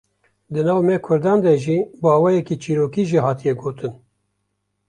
di nav me Kurdan de jî bi awayeke çîrokî jî hatiye gotin